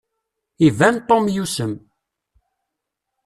Iban Tom yusem.